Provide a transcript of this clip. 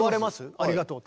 「ありがとう」って。